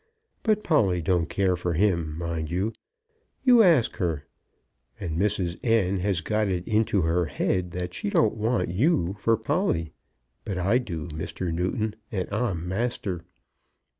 But Polly don't care for him, mind you. You ask her. And Mrs. N. has got it into her head that she don't want you for Polly. But I do, Mr. Newton; and I'm master."